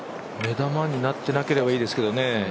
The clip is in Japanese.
目玉になってなければいいですけどね。